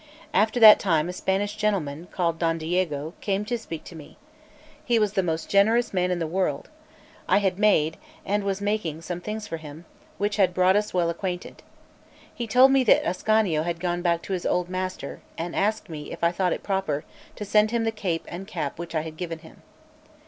After that time a Spanish gentleman, called Don Diego, came to speak to me. He was the most generous man in the world. I had made, and was making, some things for him, which had brought us well acquainted. He told me that Ascanio had gone back to his old master, and asked me, if I thought it proper, to send him the cape and cap which I had given him.